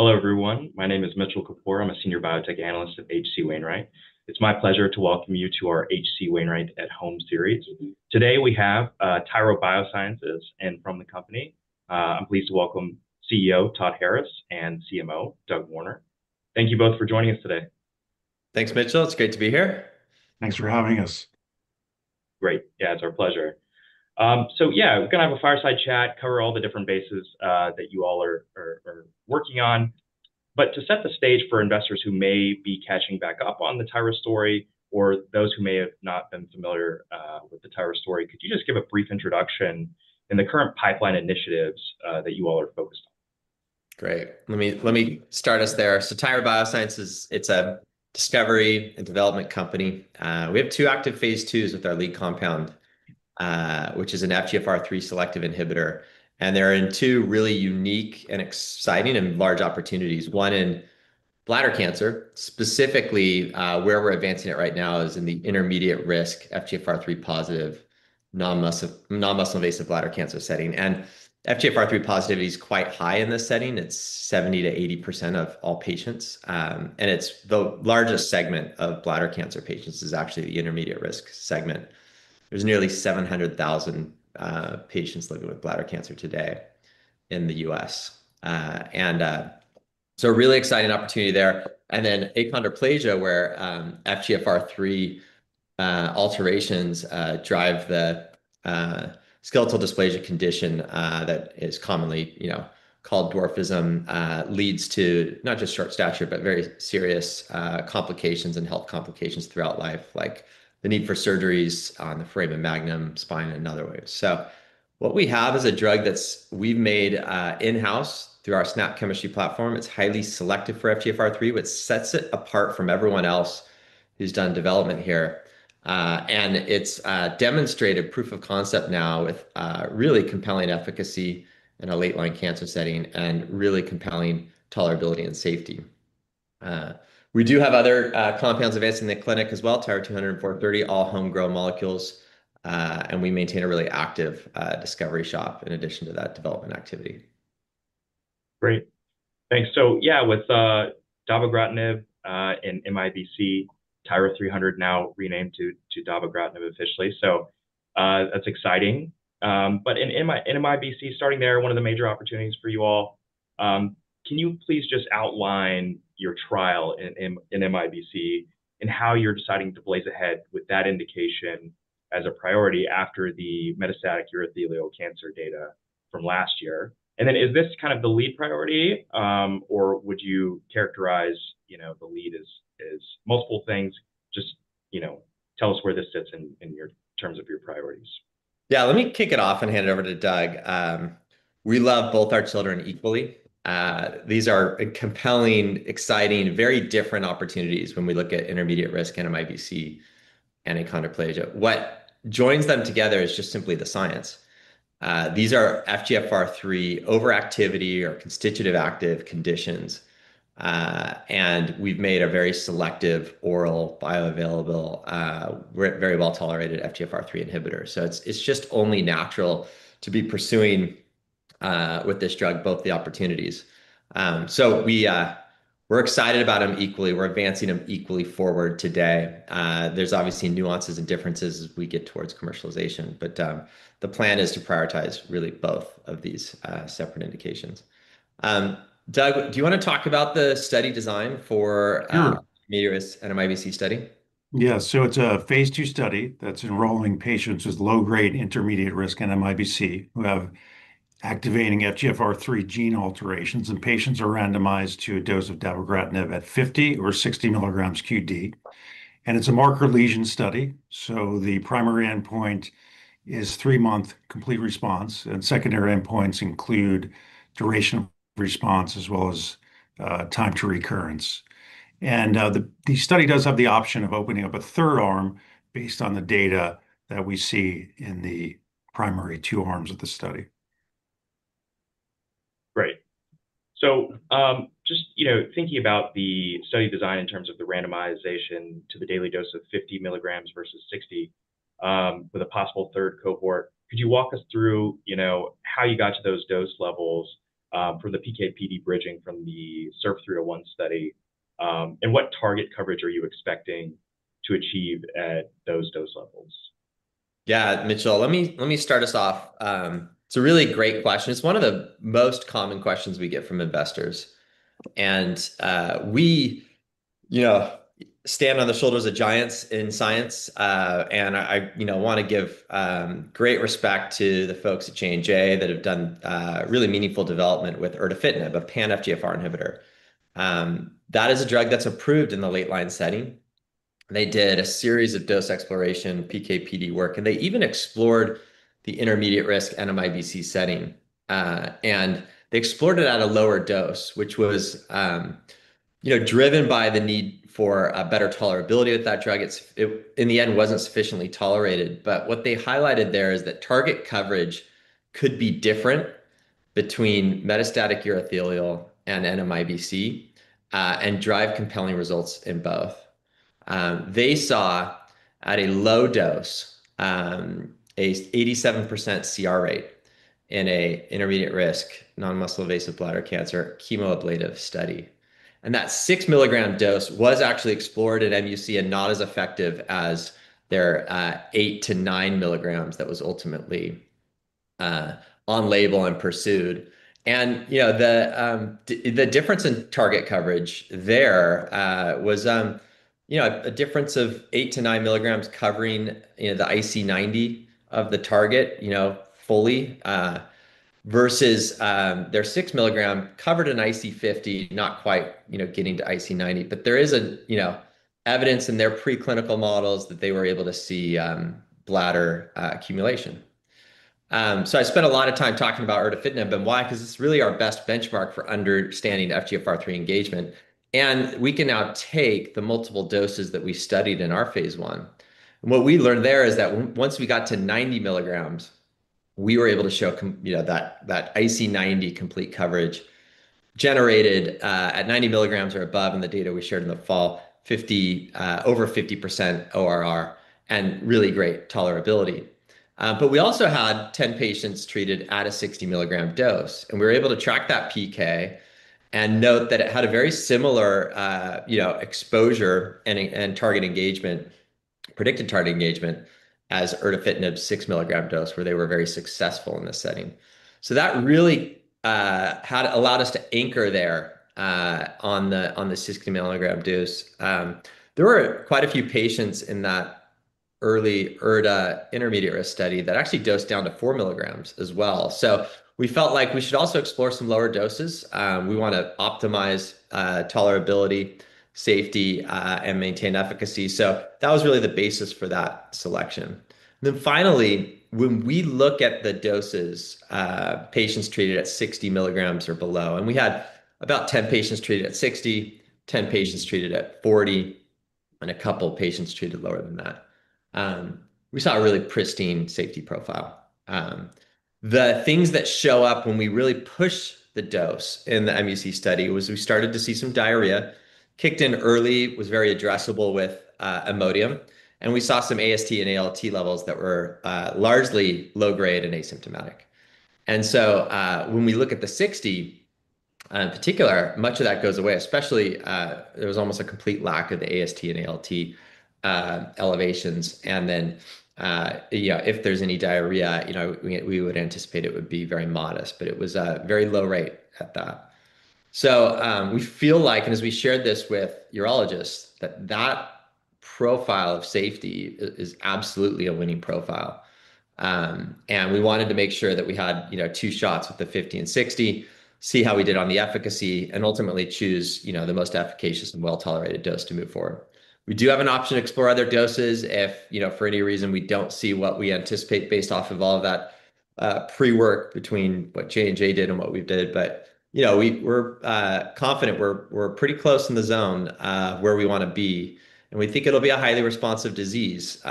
Hello, everyone. My name is Mitchell Kapoor. I'm a Senior Biotech Analyst at H.C. Wainwright. It's my pleasure to welcome you to our HC Wainwright at Home series. Today we have Tyra Biosciences and from the company. I'm pleased to welcome CEO Todd Harris and CMO Doug Warner. Thank you both for joining us today. Thanks, Mitchell. It's great to be here. Thanks for having us. Great. Yeah, it's our pleasure. We're going to have a fireside chat, cover all the different bases that you all are working on. To set the stage for investors who may be catching back up on the Tyra story, or those who may have not been familiar with the Tyra Biosciences story, could you just give a brief introduction in the current pipeline initiatives that you all are focused on? Great. Let me start us there. Tyra Biosciences, it's a discovery and development company. We have two active phase IIs with our lead compound, which is an FGFR3 selective inhibitor. They're in two really unique and exciting and large opportunities. One in bladder cancer, specifically where we're advancing it right now is in the intermediate risk FGFR3 positive non-muscle invasive bladder cancer setting. FGFR3 positivity is quite high in this setting. It's 70%-80% of all patients. It's the largest segment of bladder cancer patients, actually the intermediate risk segment. There are nearly 700,000 patients living with bladder cancer today in the U.S., a really exciting opportunity there. Achondroplasia, where FGFR3 alterations drive the skeletal dysplasia condition that is commonly called dwarfism, leads to not just short stature, but very serious complications and health complications throughout life, like the need for surgeries on the foramen magnum, spine, and other ways. We have a drug that we've made in-house through our SNÅP chemistry platform. It's highly selective for FGFR3, which sets it apart from everyone else who's done development here. It's demonstrated proof of concept now with really compelling efficacy in a late-line cancer setting and really compelling tolerability and safety. We do have other compounds advanced in the clinic as well, TYRA-430, all homegrown molecules. We maintain a really active discovery shop in addition to that development activity. Great. Thanks. With dabogratinib in NMIBC, TYRA-300 now renamed to dabogratinib officially, that's exciting. In NMIBC, starting there, one of the major opportunities for you all, can you please just outline your trial in NMIBC and how you're deciding to blaze ahead with that indication as a priority after the metastatic urothelial cancer data from last year? Is this kind of the lead priority, or would you characterize the lead as multiple things? Just tell us where this sits in terms of your priorities. Yeah, let me kick it off and hand it over to Doug. We love both our children equally. These are compelling, exciting, very different opportunities when we look at intermediate risk in NMIBC and achondroplasia. What joins them together is just simply the science. These are FGFR3 overactivity or constitutively active conditions. We've made a very selective, oral, bioavailable, very well tolerated FGFR3 inhibitor. It's just only natural to be pursuing with this drug both the opportunities. We're excited about them equally. We're advancing them equally forward today. There are obviously nuances and differences as we get towards commercialization. The plan is to prioritize really both of these separate indications. Doug, do you want to talk about the study design for the NMIBC study? Yeah, it's a phase II study that's enrolling patients with low-grade intermediate risk NMIBC who have activating FGFR3 gene alterations. Patients are randomized to a dose of dabogratinib at 50 mg or 60 mg q.d. It's a marker lesion study. The primary endpoint is three-month complete response. Secondary endpoints include duration of response as well as time to recurrence. The study does have the option of opening up a third arm based on the data that we see in the primary two arms of the study. Great. Just thinking about the study design in terms of the randomization to the daily dose of 50 mg versus 60 mg with a possible third cohort, could you walk us through how you got to those dose levels from the PK/PD bridging from the SURF301 study? What target coverage are you expecting to achieve at those dose levels? Yeah, Mitchell, let me start us off. It's a really great question. It's one of the most common questions we get from investors. We stand on the shoulders of giants in science. I want to give great respect to the folks at J&J that have done really meaningful development with erdafitinib, a pan-FGFR inhibitor. That is a drug that's approved in the late-line setting. They did a series of dose exploration PK/PD work. They even explored the intermediate risk NMIBC setting. They explored it at a lower dose, which was driven by the need for better tolerability with that drug. It in the end wasn't sufficiently tolerated. What they highlighted there is that target coverage could be different between metastatic urothelial and NMIBC and drive compelling results in both. They saw at a low dose an 87% CR rate in an intermediate risk non-muscle invasive bladder cancer chemoablative study. That 6 mg dose was actually explored at NMIBC and not as effective as their 8 mg-9 mg that was ultimately on label and pursued. The difference in target coverage there was a difference of 8 mg-9 mg covering the IC90 of the target fully versus their 6 mg covered an IC50, not quite getting to IC90. There is evidence in their preclinical models that they were able to see bladder accumulation. I spent a lot of time talking about erdafitinib and why, because it's really our best benchmark for understanding FGFR3 engagement. We can now take the multiple doses that we studied in our phase I. What we learned there is that once we got to 90 mg, we were able to show that IC90 complete coverage generated at 90 mg or above. The data we shared in the fall, over 50% ORR and really great tolerability. We also had 10 patients treated at a 60 mg dose. We were able to track that PK and note that it had a very similar exposure and predicted target engagement as erdafitinib 6 mg dose, where they were very successful in this setting. That really allowed us to anchor there on the 60 mg dose. There were quite a few patients in that early erdafitinib intermediate risk study that actually dosed down to 4 mg as well. We felt like we should also explore some lower doses. We want to optimize tolerability, safety, and maintain efficacy. That was really the basis for that selection. Finally, when we look at the doses, patients treated at 60 mg or below, and we had about 10 patients treated at 60 mg, 10 patients treated at 40 mg, and a couple of patients treated lower than that, we saw a really pristine safety profile. The things that show up when we really push the dose in the MUC study were we started to see some diarrhea kicked in early, which was very addressable with Imodium. We saw some AST and ALT levels that were largely low grade and asymptomatic. When we look at the 60 mg in particular, much of that goes away. Especially, there was almost a complete lack of the AST and ALT elevations. If there's any diarrhea, we would anticipate it would be very modest. It was a very low rate at that. We feel like, and as we shared this with urologists, that that profile of safety is absolutely a winning profile. We wanted to make sure that we had two shots with the 50 mg and 60 mg, see how we did on the efficacy, and ultimately choose the most efficacious and well-tolerated dose to move forward. We do have an option to explore other doses if for any reason we don't see what we anticipate based off of all of that pre-work between what J&J did and what we did. We're confident we're pretty close in the zone where we want to be. We think it'll be a highly responsive disease.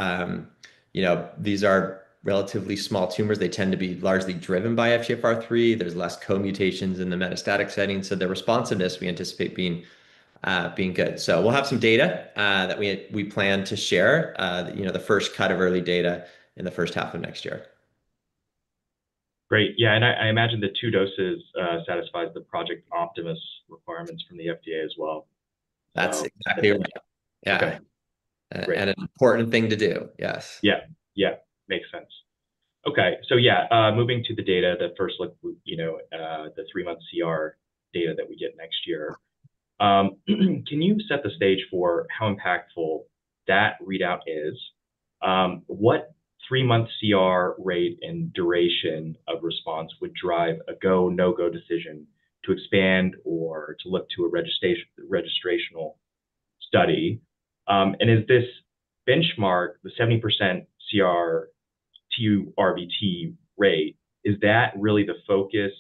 These are relatively small tumors. They tend to be largely driven by FGFR3. There's less co-mutations in the metastatic setting. The responsiveness we anticipate being good. We'll have some data that we plan to share, the first cut of early data in the first half of next year. Great. Yeah, and I imagine the two doses satisfies the Project Optimus requirements from the FDA as well. That's exactly right. Yeah, it's an important thing to do. Yes. Yeah, yeah, makes sense. OK, moving to the data that first looked at the three-month CR data that we get next year, can you set the stage for how impactful that readout is? What three-month CR rate and duration of response would drive a go/no-go decision to expand or to look to a registrational study? Is this benchmark, the 70% CR TURBT rate, really the focus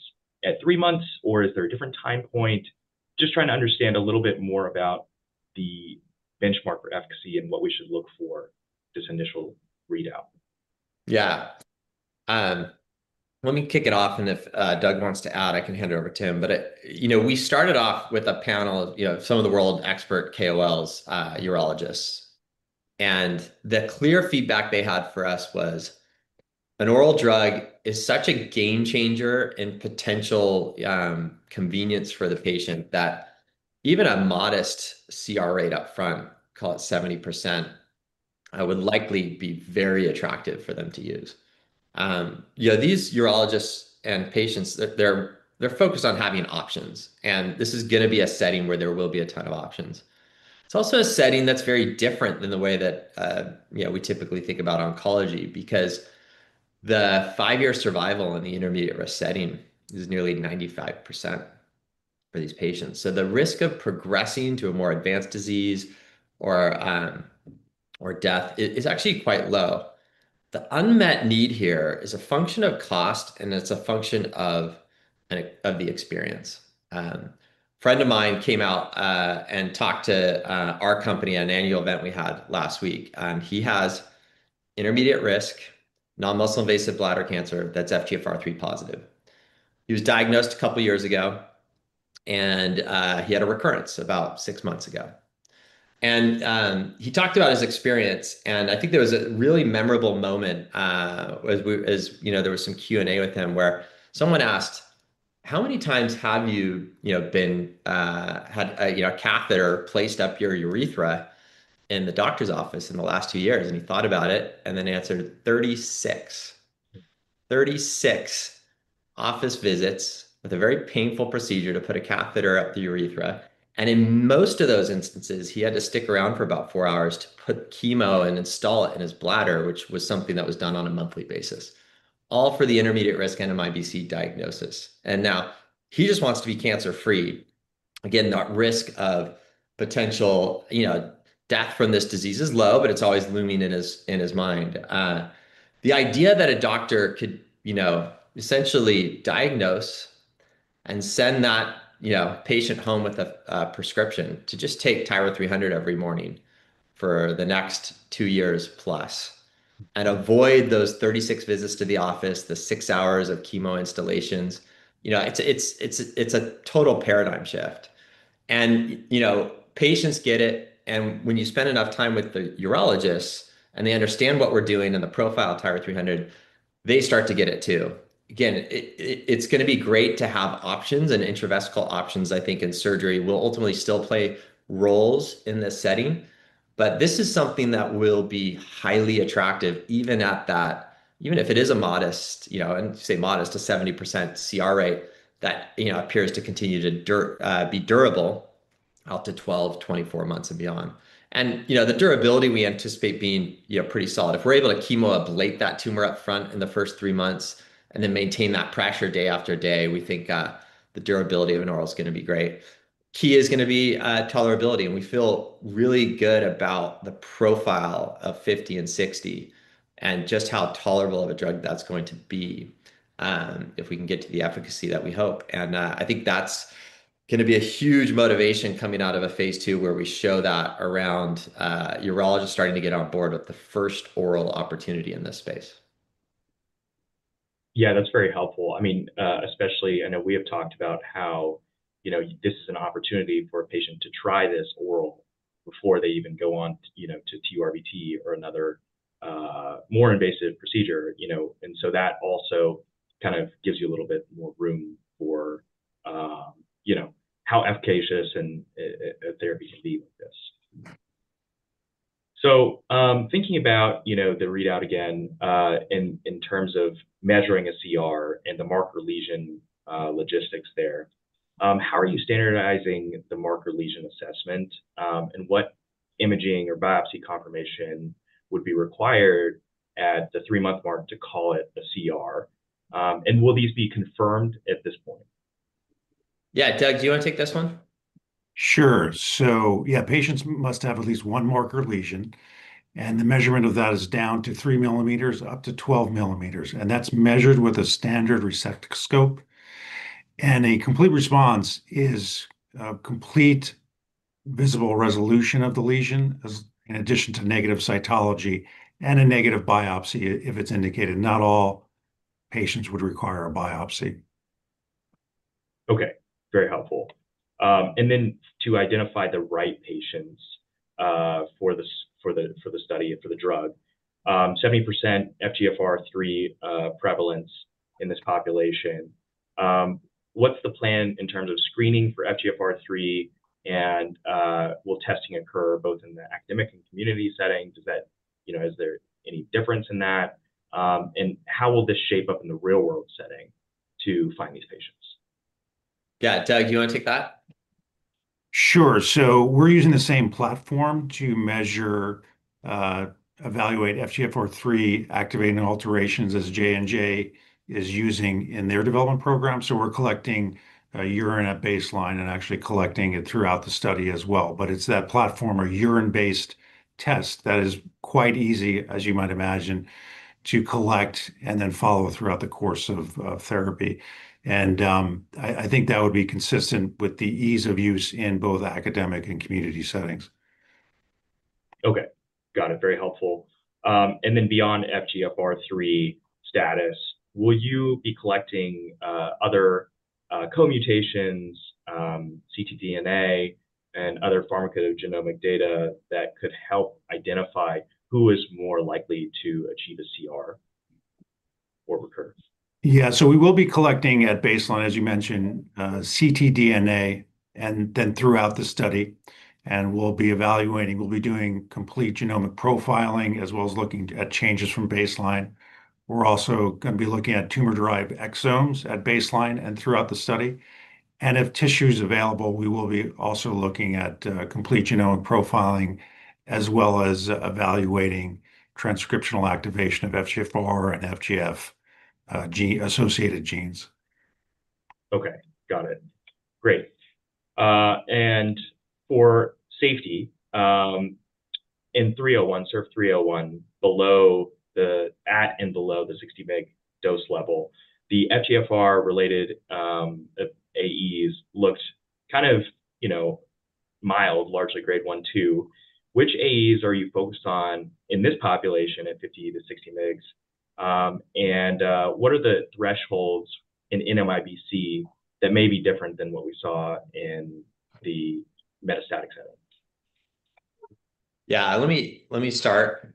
at three months, or is there a different time point? Just trying to understand a little bit more about the benchmark for efficacy and what we should look for this initial readout. Yeah, let me kick it off. If Doug wants to add, I can hand it over to him. We started off with a panel, some of the world expert KOLs, urologists. The clear feedback they had for us was an oral drug is such a game changer in potential convenience for the patient that even a modest CR rate up front, call it 70%, would likely be very attractive for them to use. These urologists and patients, they're focused on having options. This is going to be a setting where there will be a ton of options. It's also a setting that's very different than the way that we typically think about oncology because the five-year survival in the intermediate risk setting is nearly 95% for these patients. The risk of progressing to a more advanced disease or death is actually quite low. The unmet need here is a function of cost, and it's a function of the experience. A friend of mine came out and talked to our company at an annual event we had last week. He has intermediate risk non-muscle invasive bladder cancer that's FGFR3 positive. He was diagnosed a couple of years ago. He had a recurrence about six months ago. He talked about his experience. I think there was a really memorable moment as there was some Q&A with him where someone asked, how many times have you had a catheter placed up your urethra in the doctor's office in the last two years? He thought about it and then answered 36. Thirty-six office visits with a very painful procedure to put a catheter up the urethra. In most of those instances, he had to stick around for about four hours to put chemo and install it in his bladder, which was something that was done on a monthly basis, all for the intermediate risk NMIBC diagnosis. Now he just wants to be cancer-free. That risk of potential death from this disease is low, but it's always looming in his mind. The idea that a doctor could essentially diagnose and send that patient home with a prescription to just take TYRA-300 every morning for the next two years plus and avoid those 36 visits to the office, the six hours of chemo installations, it's a total paradigm shift. Patients get it. When you spend enough time with the urologists and they understand what we're doing and the profile of TYRA-300, they start to get it too. It's going to be great to have options and intravesical options. I think surgery will ultimately still play roles in this setting. This is something that will be highly attractive, even if it is a modest, and I say modest, a 70% CR rate that appears to continue to be durable out to 12, 24 months and beyond. The durability we anticipate being pretty solid. If we're able to chemoablate that tumor up front in the first three months and then maintain that pressure day after day, we think the durability of an oral is going to be great. The key is going to be tolerability. We feel really good about the profile of 50 mg and 60 mg and just how tolerable of a drug that's going to be if we can get to the efficacy that we hope. I think that's going to be a huge motivation coming out of a phase II where we show that around urologists starting to get on board with the first oral opportunity in this space. Yeah, that's very helpful. I mean, especially I know we have talked about how this is an opportunity for a patient to try this oral before they even go on to TURBT or another more invasive procedure. That also kind of gives you a little bit more room for how efficacious a therapy can be like this. Thinking about the readout again in terms of measuring a CR and the marker lesion logistics there, how are you standardizing the marker lesion assessment and what imaging or biopsy confirmation would be required at the three-month mark to call it a CR? Will these be confirmed at this point? Yeah, Doug, do you want to take this one? Sure. Patients must have at least one marker lesion. The measurement of that is down to 3 mm up to 12 mm, and that's measured with a standard resectoscope. A complete response is a complete visible resolution of the lesion, in addition to negative cytology and a negative biopsy if it's indicated. Not all patients would require a biopsy. OK. Very helpful. To identify the right patients for the study and for the drug, 70% FGFR3 prevalence in this population, what's the plan in terms of screening for FGFR3? Will testing occur both in the academic and community setting? Is there any difference in that? How will this shape up in the real-world setting to find these patients? Yeah, Doug, do you want to take that? We're using the same platform to measure, evaluate FGFR3 activating alterations as J&J is using in their development program. We're collecting urine at baseline and actually collecting it throughout the study as well. It is that platform or urine-based test that is quite easy, as you might imagine, to collect and then follow throughout the course of therapy. I think that would be consistent with the ease of use in both academic and community settings. OK. Got it. Very helpful. Beyond FGFR3 status, will you be collecting other co-mutations, ctDNA, and other pharmacogenomic data that could help identify who is more likely to achieve a CR or recur? Yeah, we will be collecting at baseline, as you mentioned, ctDNA and then throughout the study. We'll be evaluating, we'll be doing complete genomic profiling as well as looking at changes from baseline. We're also going to be looking at tumor-derived exomes at baseline and throughout the study. If tissue is available, we will also be looking at complete genomic profiling as well as evaluating transcriptional activation of FGFR and FGF associated genes. OK. Got it. Great. For safety in SURF301 at and below the 60 mg dose level, the FGFR-related AEs looked kind of mild, largely grade 1 to 2. Which AEs are you focused on in this population at 50 mg-60 mg? What are the thresholds in NMIBC that may be different than what we saw in the metastatic setting? Let me start.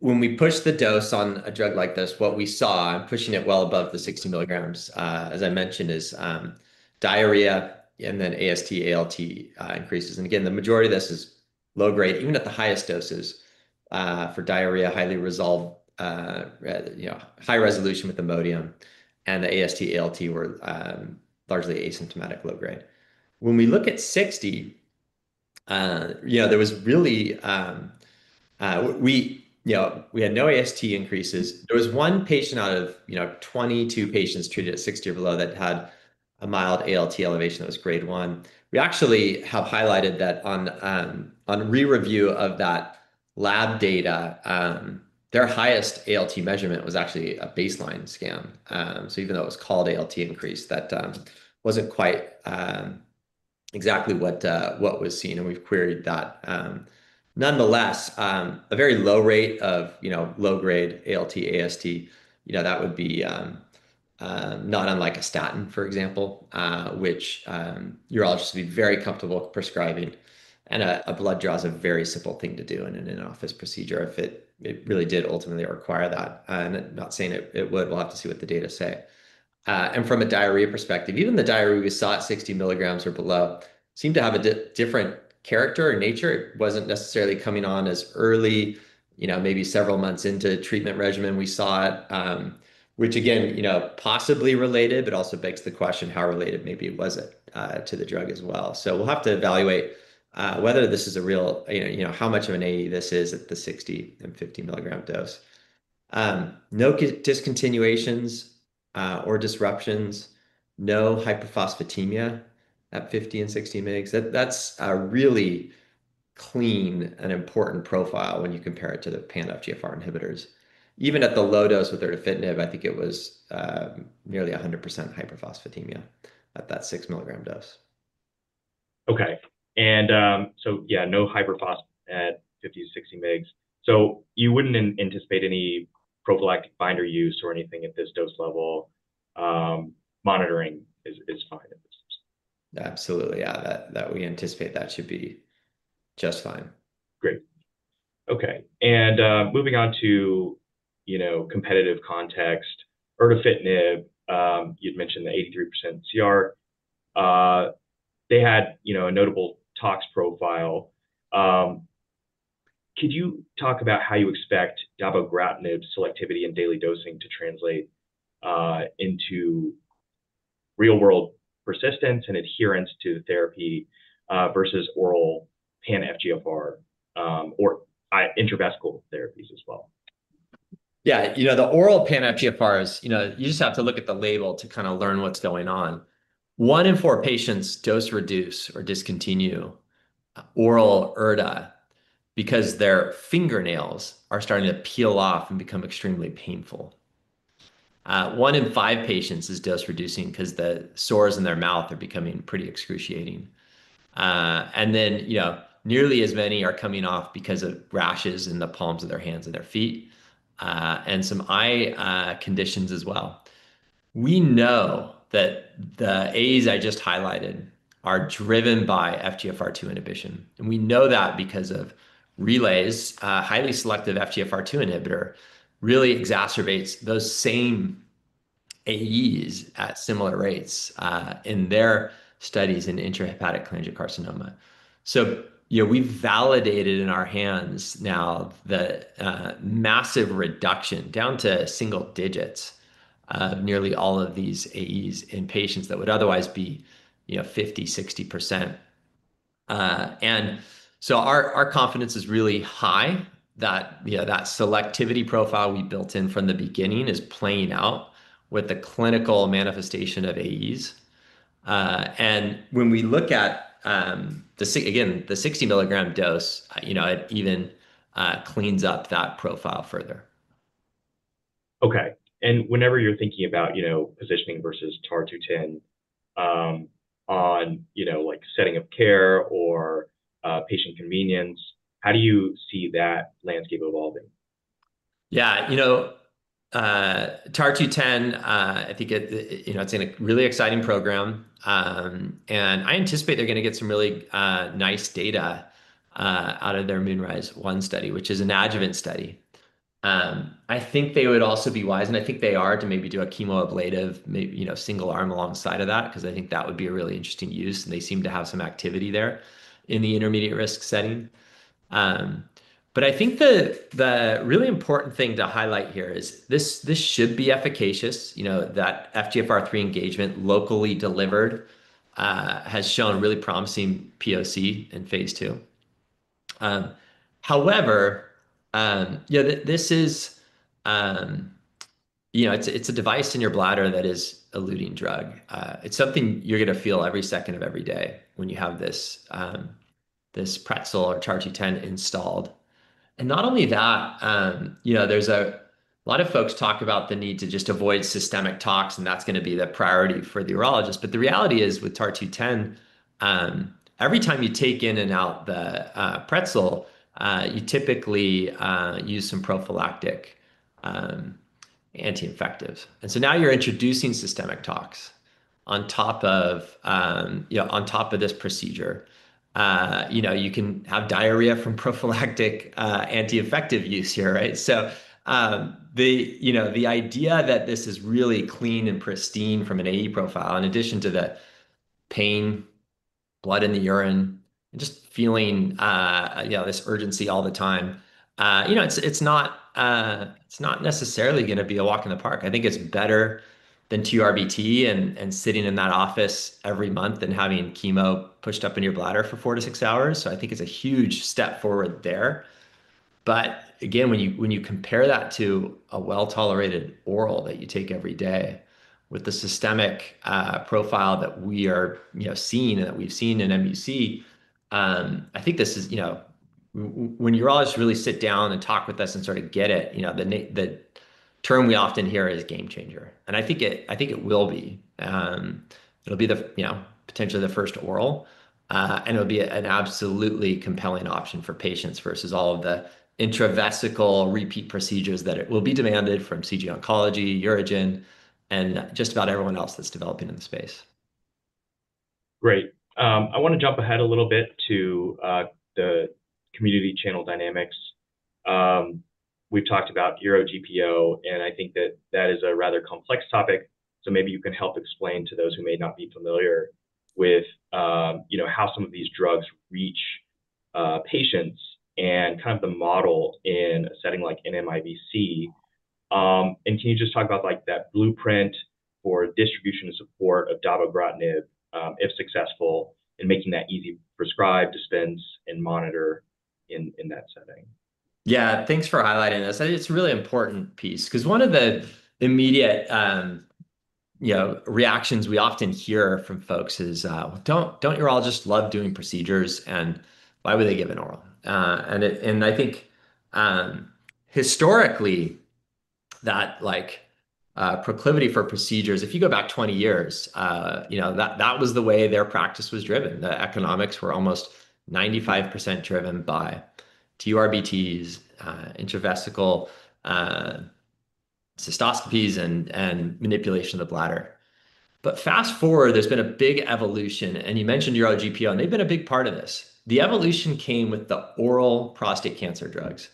When we push the dose on a drug like this, what we saw, pushing it well above the 60 mg, as I mentioned, is diarrhea and then AST/ALT increases. The majority of this is low grade, even at the highest doses for diarrhea, high resolution with Imodium. The AST/ALT were largely asymptomatic, low grade. When we look at 60 mg, we had no AST increases. There was one patient out of 22 patients treated at 60 mg or below that had a mild ALT elevation that was grade 1. We actually have highlighted that on re-review of that lab data, their highest ALT measurement was actually a baseline scan. Even though it was called ALT increase, that wasn't quite exactly what was seen. We've queried that. Nonetheless, a very low rate of low grade ALT/AST, that would be not unlike a statin, for example, which urologists would be very comfortable prescribing. A blood draw is a very simple thing to do in an in-office procedure if it really did ultimately require that. Not saying it would, we'll have to see what the data say. From a diarrhea perspective, even the diarrhea we saw at 60 mg or below seemed to have a different character or nature. It wasn't necessarily coming on as early, maybe several months into the treatment regimen we saw it, which possibly related, but also begs the question how related maybe was it to the drug as well. We'll have to evaluate whether this is a real, how much of an AE this is at the 60 mg and 50 mg dose. No discontinuations or disruptions. No hyperphosphatemia at 50 mg and 60 mg. That's a really clean and important profile when you compare it to the pan-FGFR inhibitors. Even at the low dose with erdafitinib, I think it was nearly 100% hyperphosphatemia at that 6 mg dose. OK. Yeah, no hyperphosphatemia at 50 mg to 60 mg. You wouldn't anticipate any prophylactic binder use or anything at this dose level. Monitoring is fine at this point. Absolutely. Yeah, we anticipate that should be just fine. Great. OK. Moving on to competitive context, erdafitinib, you'd mentioned the 83% CR. They had a notable tox profile. Could you talk about how you expect dabogratinib selectivity and daily dosing to translate into real-world persistence and adherence to therapy versus oral pan-FGFR or intravesical therapies as well? Yeah, the oral pan-FGFRs, you just have to look at the label to kind of learn what's going on. One in four patients dose reduce or discontinue oral erdafitinib because their fingernails are starting to peel off and become extremely painful. One in five patients is dose reducing because the sores in their mouth are becoming pretty excruciating. Nearly as many are coming off because of rashes in the palms of their hands and their feet and some eye conditions as well. We know that the AEs I just highlighted are driven by FGFR2 inhibition. We know that because of relays, a highly selective FGFR2 inhibitor really exacerbates those same AEs at similar rates in their studies in intrahepatic cholangiocarcinoma. We've validated in our hands now the massive reduction down to single digits of nearly all of these AEs in patients that would otherwise be 50%, 60%. Our confidence is really high that that selectivity profile we built in from the beginning is playing out with the clinical manifestation of AEs. When we look at, again, the 60 mg dose, it even cleans up that profile further. When you're thinking about positioning versus TAR210 on setting of care or patient convenience, how do you see that landscape evolving? Yeah, TAR210, I think it's a really exciting program. I anticipate they're going to get some really nice data out of their MoonRIS-1 study, which is an adjuvant study. I think they would also be wise, and I think they are, to maybe do a chemoablative single arm alongside of that because I think that would be a really interesting use. They seem to have some activity there in the intermediate risk setting. I think the really important thing to highlight here is this should be efficacious. That FGFR3 engagement locally delivered has shown really promising POC in phase II. However, it's a device in your bladder that is eluting drug. It's something you're going to feel every second of every day when you have this Pretzel or TAR210 installed. Not only that, a lot of folks talk about the need to just avoid systemic tox, and that's going to be the priority for the urologist. The reality is with TAR210, every time you take in and out the Pretzel, you typically use some prophylactic anti-infectives. Now you're introducing systemic tox on top of this procedure. You can have diarrhea from prophylactic anti-infective use here. The idea that this is really clean and pristine from an AE profile, in addition to the pain, blood in the urine, and just feeling this urgency all the time, it's not necessarily going to be a walk in the park. I think it's better than TURBT and sitting in that office every month and having chemo pushed up in your bladder for four to six hours. I think it's a huge step forward there. When you compare that to a well-tolerated oral that you take every day with the systemic profile that we are seeing and that we've seen in MUC, I think this is when urologists really sit down and talk with us and sort of get it, the term we often hear is game changer. I think it will be. It'll be potentially the first oral. It'll be an absolutely compelling option for patients versus all of the intravesical repeat procedures that will be demanded from CG Oncology, UroGen, and just about everyone else that's developing in the space. Great. I want to jump ahead a little bit to the community channel dynamics. We've talked about uro-GPOs. I think that is a rather complex topic. Maybe you can help explain to those who may not be familiar with how some of these drugs reach patients and kind of the model in a setting like NMIBC. Can you just talk about that blueprint for distribution and support of dabogratinib, if successful, and making that easy to prescribe, dispense, and monitor in that setting? Yeah, thanks for highlighting this. It's a really important piece because one of the immediate reactions we often hear from folks is, don't urologists love doing procedures? Why would they give an oral? I think historically, that proclivity for procedures, if you go back 20 years, that was the way their practice was driven. The economics were almost 95% driven by TURBTs, intravesical cystoscopies, and manipulation of the bladder. Fast forward, there's been a big evolution. You mentioned uro-GPO, and they've been a big part of this. The evolution came with the oral prostate cancer drugs,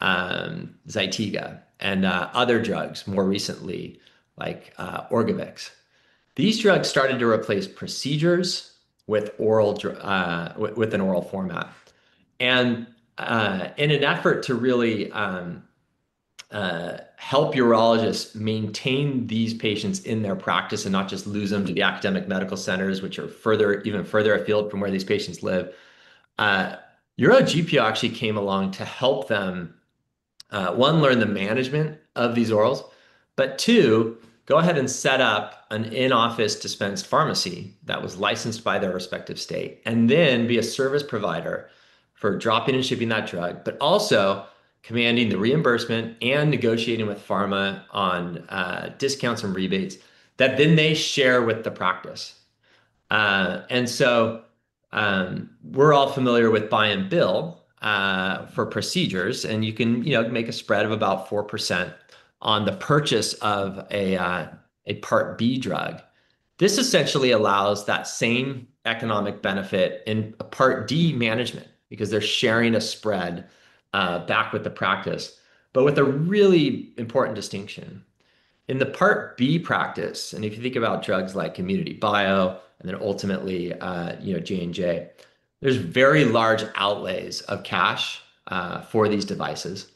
Zytiga, and other drugs more recently, like Orgovyx. These drugs started to replace procedures with an oral format. In an effort to really help urologists maintain these patients in their practice and not just lose them to the academic medical centers, which are even further afield from where these patients live, uro-GPO actually came along to help them, one, learn the management of these orals, but two, go ahead and set up an in-office dispense pharmacy that was licensed by their respective state, and then be a service provider for dropping and shipping that drug, but also commanding the reimbursement and negotiating with pharma on discounts and rebates that then they share with the practice. We're all familiar with buy and bill for procedures, and you can make a spread of about 4% on the purchase of a Part B drug. This essentially allows that same economic benefit in a Part D management because they're sharing a spread back with the practice, but with a really important distinction. In the Part B practice, and if you think about drugs like Immunity Bio and then ultimately J&J, there's very large outlays of cash for these devices.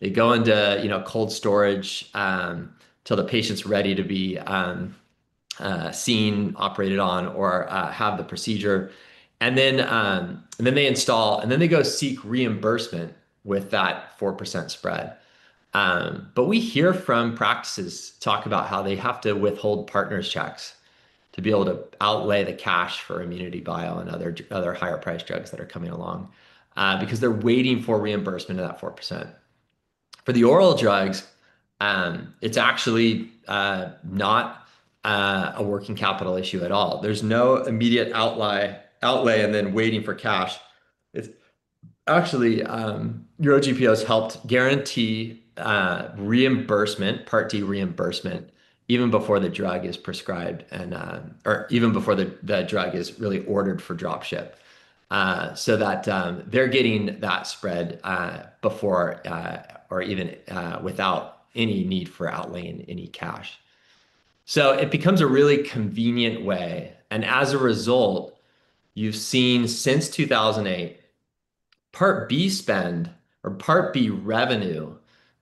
They go into cold storage until the patient's ready to be seen, operated on, or have the procedure. They install, and then they go seek reimbursement with that 4% spread. We hear from practices talk about how they have to withhold partners' checks to be able to outlay the cash for Immunity Bio and other higher priced drugs that are coming along because they're waiting for reimbursement of that 4%. For the oral drugs, it's actually not a working capital issue at all. There's no immediate outlay and then waiting for cash. Actually, uro-GPOs have helped guarantee Part D reimbursement even before the drug is prescribed and even before the drug is really ordered for drop ship, so that they're getting that spread before or even without any need for outlaying any cash. It becomes a really convenient way. As a result, you've seen since 2008, Part B spend or Part B revenue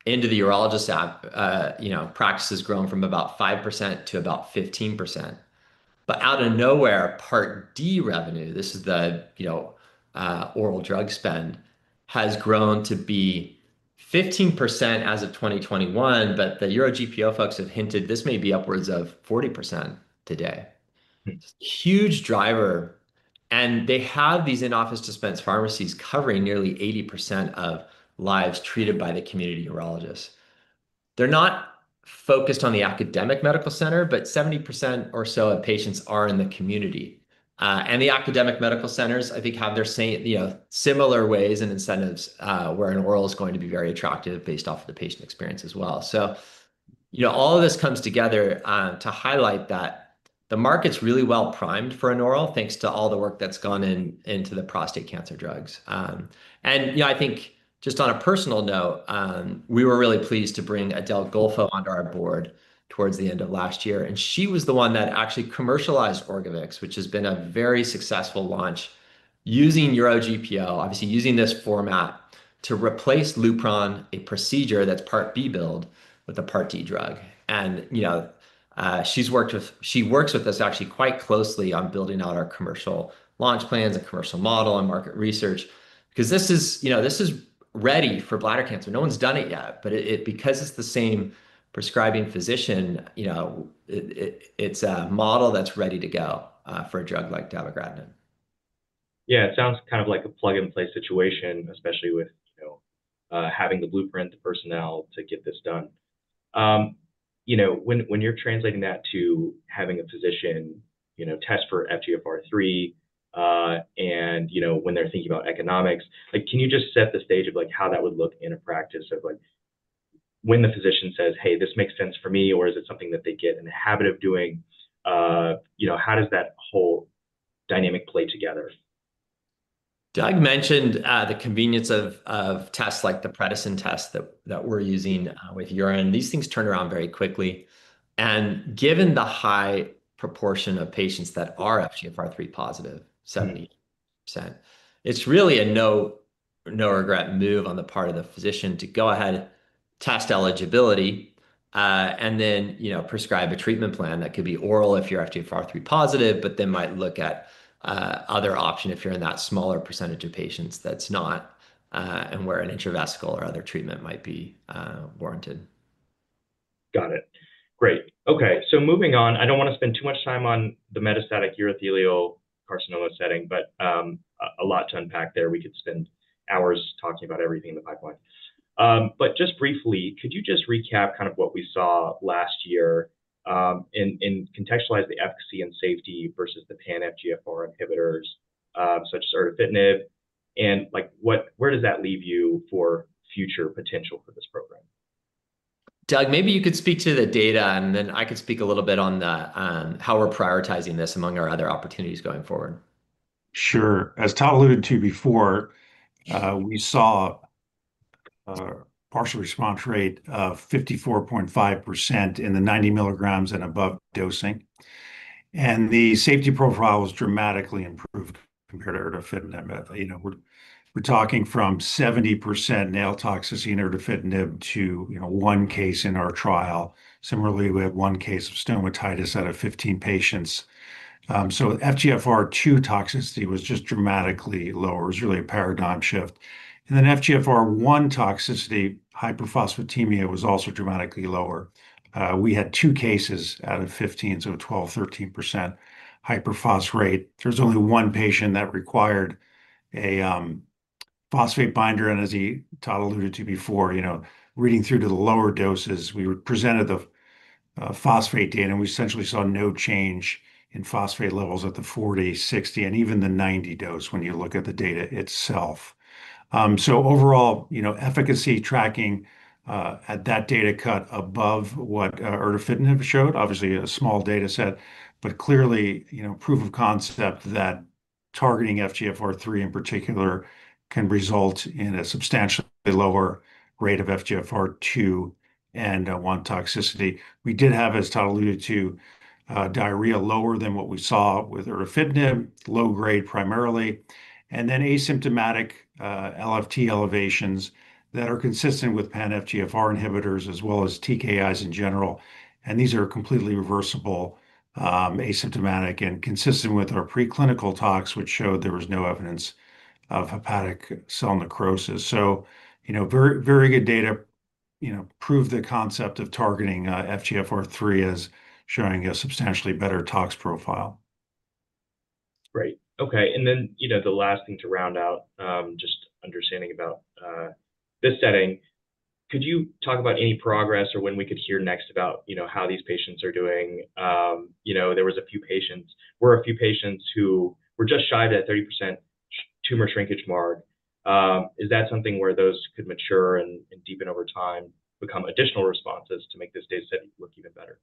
into the urologist's practice has grown from about 5% to about 15%. Out of nowhere, Part D revenue, this is the oral drug spend, has grown to be 15% as of 2021. The uro-GPO folks have hinted this may be upwards of 40% today. Huge driver. They have these in-office dispense pharmacies covering nearly 80% of lives treated by the community urologists. They're not focused on the academic medical center, but 70% or so of patients are in the community. The academic medical centers, I think, have their similar ways and incentives where an oral is going to be very attractive based off of the patient experience as well. All of this comes together to highlight that the market's really well primed for an oral thanks to all the work that's gone into the prostate cancer drugs. On a personal note, we were really pleased to bring Adele Gulfo onto our Board towards the end of last year. She was the one that actually commercialized Orgovyx, which has been a very successful launch using uro-GPOs, obviously using this format to replace Lupron, a procedure that's Part B billed with a Part D drug. She works with us actually quite closely on building out our commercial launch plans and commercial model and market research because this is ready for bladder cancer. No one's done it yet. Because it's the same prescribing physician, it's a model that's ready to go for a drug like dabogratinib. Yeah, it sounds kind of like a plug-and-play situation, especially with having the blueprint, the personnel to get this done. When you're translating that to having a physician test for FGFR3 and when they're thinking about economics, can you just set the stage of how that would look in a practice of when the physician says, hey, this makes sense for me, or is it something that they get in the habit of doing? How does that whole dynamic play together? Doug mentioned the convenience of tests like the prednisone test that we're using with urine. These things turn around very quickly. Given the high proportion of patients that are FGFR3 positive, 70%, it's really a no-regret move on the part of the physician to go ahead, test eligibility, and then prescribe a treatment plan that could be oral if you're FGFR3 positive, but then might look at other options if you're in that smaller percentage of patients that's not and where an intravesical or other treatment might be warranted. Got it. Great. OK, moving on, I don't want to spend too much time on the metastatic urothelial carcinoma setting, but a lot to unpack there. We could spend hours talking about everything in the pipeline. Just briefly, could you recap kind of what we saw last year and contextualize the efficacy and safety versus the pan-FGFR inhibitors such as erdafitinib? Where does that leave you for future potential? Doug, maybe you could speak to the data, and then I could speak a little bit on how we're prioritizing this among our other opportunities going forward. Sure. As Todd alluded to before, we saw a partial response rate of 54.5% in the 90 mg and above dosing, and the safety profile was dramatically improved compared to erdafitinib. We're talking from 70% nail toxicity in erdafitinib to one case in our trial, similarly with one case of stomatitis out of 15 patients. FGFR2 toxicity was just dramatically lower. It was really a paradigm shift. FGFR1 toxicity, hyperphosphatemia, was also dramatically lower. We had two cases out of 15, so 12%-13% hyperphos rate. There's only one patient that required a phosphate binder. As Todd alluded to before, reading through to the lower doses, we presented the phosphate data, and we essentially saw no change in phosphate levels at the 40 mg, 60 mg, and even the 90 mg dose when you look at the data itself. Overall, efficacy tracking at that data cut above what erdafitinib showed, obviously a small data set, but clearly proof of concept that targeting FGFR3 in particular can result in a substantially lower rate of FGFR2 and FGFR1 toxicity. We did have, as Todd alluded to, diarrhea lower than what we saw with erdafitinib, low grade primarily, and then asymptomatic LFT elevations that are consistent with pan-FGFR inhibitors as well as TKIs in general. These are completely reversible, asymptomatic, and consistent with our preclinical tox, which showed there was no evidence of hepatic cell necrosis. Very good data proved the concept of targeting FGFR3 as showing a substantially better tox profile. Great. OK, the last thing to round out, just understanding about this setting, could you talk about any progress or when we could hear next about how these patients are doing? There were a few patients who were just shy of that 30% tumor shrinkage mark. Is that something where those could mature and deepen over time, become additional responses to make this data set look even better?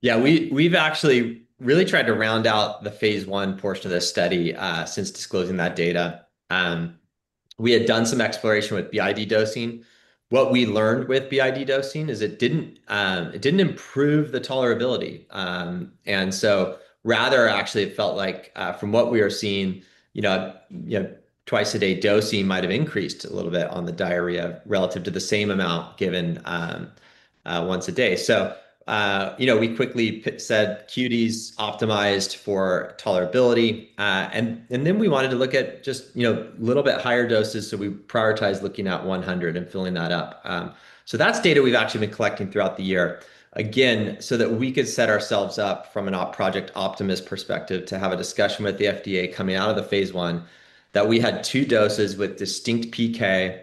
Yeah, we've actually really tried to round out the phase I portion of this study since disclosing that data. We had done some exploration with BID dosing. What we learned with BID dosing is it didn't improve the tolerability. Rather, actually, it felt like from what we were seeing, twice a day dosing might have increased a little bit on the diarrhea relative to the same amount given once a day. We quickly said QD is optimized for tolerability. We wanted to look at just a little bit higher doses. We prioritized looking at 100 mg and filling that up. That's data we've actually been collecting throughout the year, again, so that we could set ourselves up from a Project Optimus perspective to have a discussion with the FDA coming out of the phase I that we had two doses with distinct PK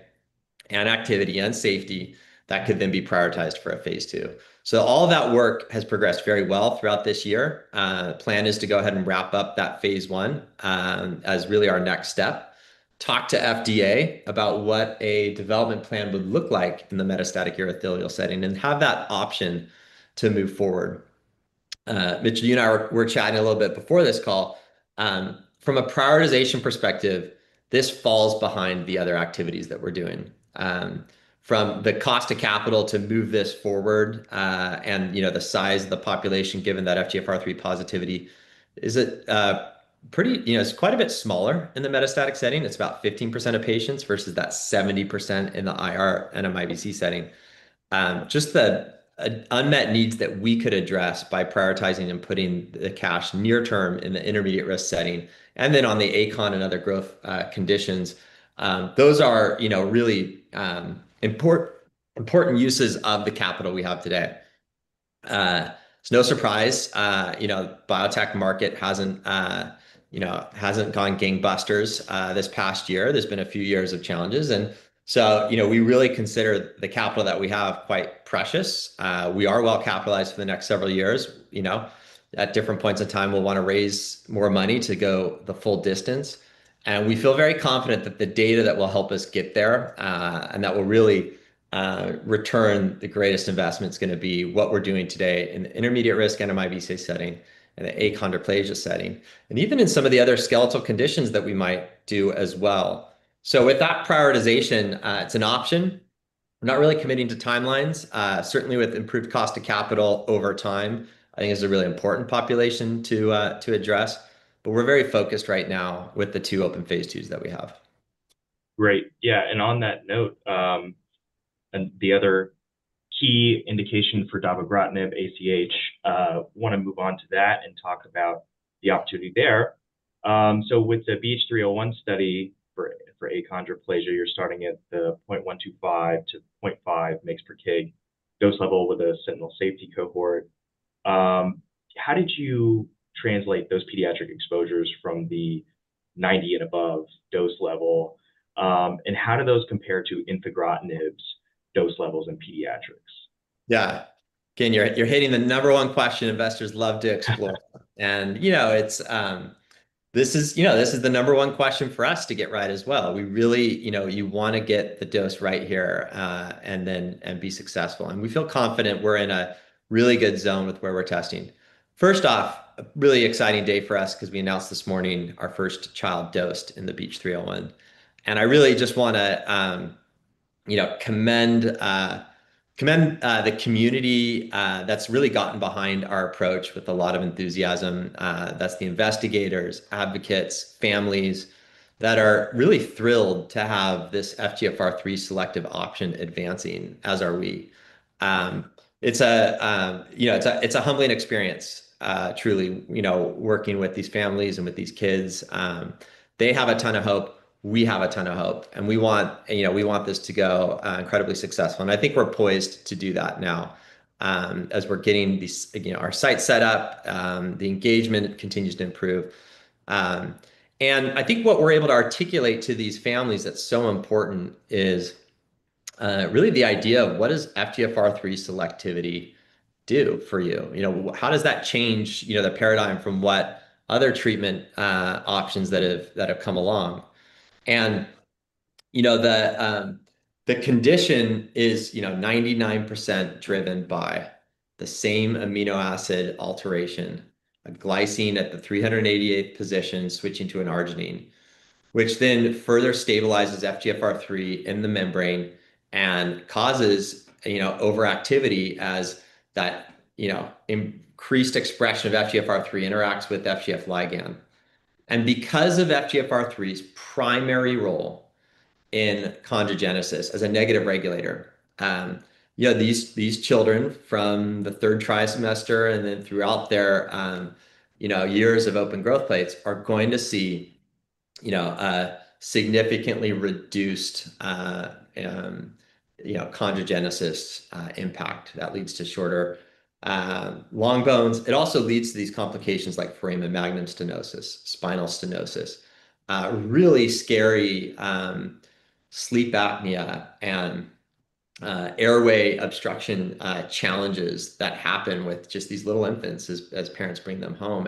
and activity and safety that could then be prioritized for a phase II. All that work has progressed very well throughout this year. The plan is to go ahead and wrap up that phase I as really our next step, talk to FDA about what a development plan would look like in the metastatic urothelial setting, and have that option to move forward. Mitchell, you and I were chatting a little bit before this call. From a prioritization perspective, this falls behind the other activities that we're doing. From the cost of capital to move this forward and the size of the population, given that FGFR3 positivity, it's quite a bit smaller in the metastatic setting. It's about 15% of patients versus that 70% in the IR NMIBC setting. Just the unmet needs that we could address by prioritizing and putting the cash near term in the intermediate risk setting, and then on the ACOM and other growth conditions, those are really important uses of the capital we have today. It's no surprise the biotech market hasn't gone gangbusters this past year. There's been a few years of challenges. We really consider the capital that we have quite precious. We are well capitalized for the next several years. At different points in time, we'll want to raise more money to go the full distance. We feel very confident that the data that will help us get there and that will really return the greatest investments is going to be what we're doing today in the intermediate risk NMIBC setting and the achondroplasia setting, and even in some of the other skeletal conditions that we might do as well. With that prioritization, it's an option. We're not really committing to timelines. Certainly, with improved cost of capital over time, I think it's a really important population to address. We're very focused right now with the two open phase IIs that we have. Great. Yeah, on that note, the other key indication for dabogratinib ACH, I want to move on to that and talk about the opportunity there. With the BH301 study for achondroplasia, you're starting at the 0.125 mg/kg-0.5 mg/kg dose level with a sentinel safety cohort. How did you translate those pediatric exposures from the 90 mg and above dose level? How do those compare to infigratinib dose levels in pediatrics? Yeah, again, you're hitting the number one question investors love to explore. This is the number one question for us to get right as well. You want to get the dose right here and be successful. We feel confident we're in a really good zone with where we're testing. First off, really exciting day for us because we announced this morning our first child dosed in the BH301. I really just want to commend the community that's really gotten behind our approach with a lot of enthusiasm. That's the investigators, advocates, families that are really thrilled to have this FGFR3 selective option advancing, as are we. It's a humbling experience, truly, working with these families and with these kids. They have a ton of hope. We have a ton of hope. We want this to go incredibly successful. I think we're poised to do that now as we're getting our site set up. The engagement continues to improve. I think what we're able to articulate to these families that's so important is really the idea of what does FGFR3 selectivity do for you? How does that change the paradigm from what other treatment options that have come along? The condition is 99% driven by the same amino acid alteration, a glycine at the 388 position switching to an arginine, which then further stabilizes FGFR3 in the membrane and causes overactivity as that increased expression of FGFR3 interacts with FGF ligand. Because of FGFR3's primary role in chondrogenesis as a negative regulator, these children from the third trimester and then throughout their years of open growth plates are going to see a significantly reduced chondrogenesis impact that leads to shorter long bones. It also leads to these complications like foramen magnum stenosis, spinal stenosis, really scary sleep apnea, and airway obstruction challenges that happen with just these little infants as parents bring them home.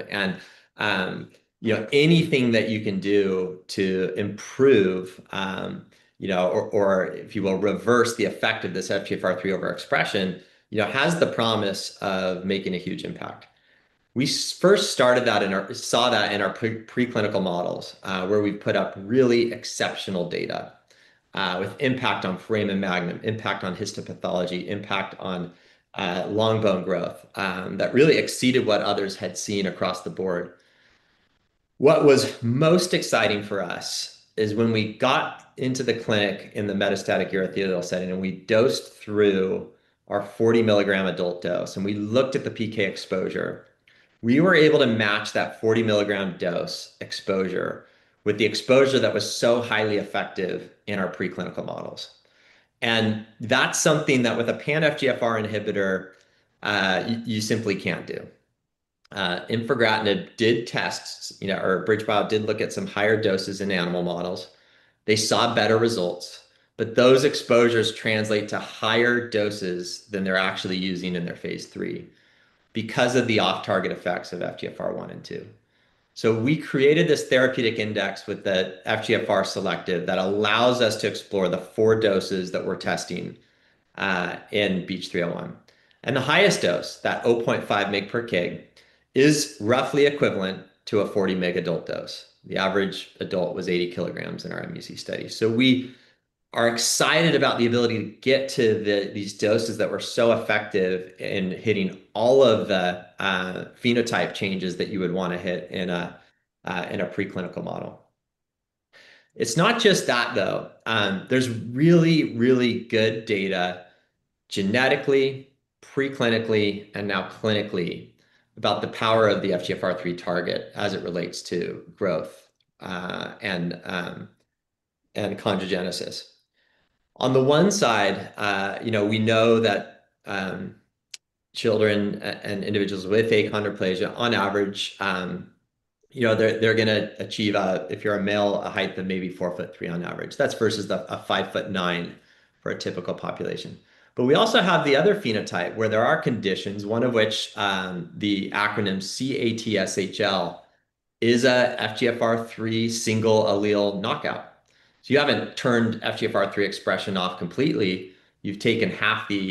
Anything that you can do to improve, or if you will, reverse the effect of this FGFR3 overexpression has the promise of making a huge impact. We first saw that in our preclinical models where we put up really exceptional data with impact on foramen magnum, impact on histopathology, impact on long bone growth that really exceeded what others had seen across the board. What was most exciting for us is when we got into the clinic in the metastatic urothelial setting and we dosed through our 40 mg adult dose and we looked at the PK exposure, we were able to match that 40 mg dose exposure with the exposure that was so highly effective in our preclinical models. That's something that with a pan-FGFR inhibitor, you simply can't do. Infigratinib did test or BridgeBio did look at some higher doses in animal models. They saw better results. Those exposures translate to higher doses than they're actually using in their phase III because of the off-target effects of FGFR1 and FGFR2. We created this therapeutic index with the FGFR selective that allows us to explore the four doses that we're testing in BH301. The highest dose, that 0.5 mg per kg, is roughly equivalent to a 40 mg adult dose. The average adult was 80 kg in our MUC study. We are excited about the ability to get to these doses that were so effective in hitting all of the phenotype changes that you would want to hit in a preclinical model. It's not just that, though. There's really, really good data genetically, preclinically, and now clinically about the power of the FGFR3 target as it relates to growth and chondrogenesis. On the one side, we know that children and individuals with achondroplasia, on average, they're going to achieve, if you're a male, a height that may be 4 ft 3 in on average. That's versus a 5 ft 9 in for a typical population. We also have the other phenotype where there are conditions, one of which the acronym CATSHL is an FGFR3 single allele knockout. You haven't turned FGFR3 expression off completely. You've taken half the